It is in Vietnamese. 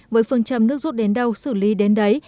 với phương trầm nước rút đến đâu xử lý đến đấy